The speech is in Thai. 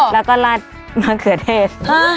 แล้วก็ราดมะเขือเทศ